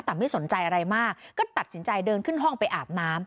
แต่ไม่สนใจอะไรมากก็ตัดสินใจเดินขึ้นห้องไปอาบน้ำ